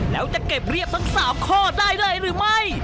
แล้วจะเก็บเรียบทั้ง๓ข้อได้เลยหรือไม่